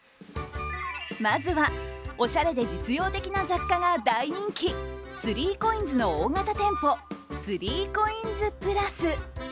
まずは、おしゃれで実用的な雑貨が大人気３ＣＯＩＮＳの大型店舗、３ＣＯＩＮＳ＋ｐｌｕｓ。